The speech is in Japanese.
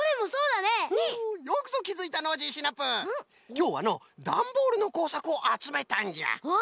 きょうはのダンボールのこうさくをあつめたんじゃ。